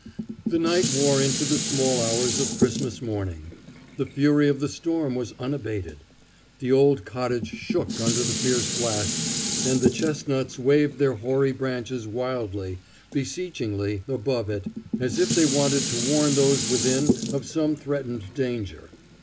The night wore into the small hours of Christmas morning. The fury of the storm was unabated. The old cottage shook under the fierce blasts, and the chestnuts waved their hoary branches wildly, beseechingly, above it, as if they wanted to warn those within of some threatened danger.